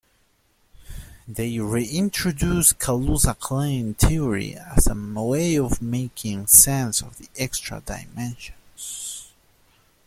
They reintroduced Kaluza-Klein theory as a way of making sense of the extra dimensions.